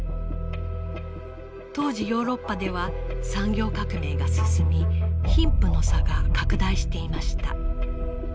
当時ヨーロッパでは産業革命が進み貧富の差が拡大していました。